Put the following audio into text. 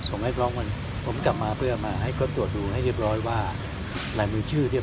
ส่งร้านโน้นวันเนี้ยครับตอนแรกได้ประมาณที่สามสิบคนถูกไหม